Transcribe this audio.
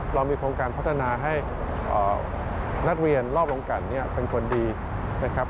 เรามีโครงการพัฒนาให้นักเรียนรอบวงการเนี่ยเป็นคนดีนะครับ